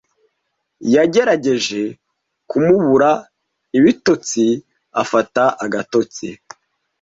Yagerageje kumubura ibitotsi afata agatotsi.